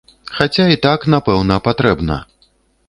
Хаця і так, напэўна, патрэбна.